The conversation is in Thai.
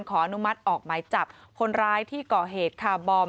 อนุมัติออกหมายจับคนร้ายที่ก่อเหตุคาร์บอม